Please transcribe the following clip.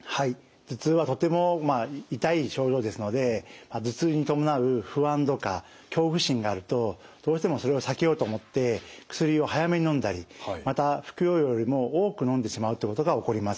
頭痛はとても痛い症状ですので頭痛に伴う不安とか恐怖心があるとどうしてもそれを避けようと思って薬を早めにのんだりまた服用量よりも多くのんでしまうっていうことが起こります。